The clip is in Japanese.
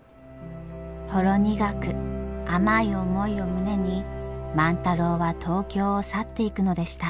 ほろ苦く甘い思いを胸に万太郎は東京を去っていくのでした。